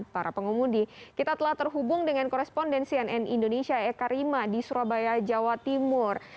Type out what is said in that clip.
para pengemudi kita telah terhubung dengan koresponden cnn indonesia eka rima di surabaya jawa timur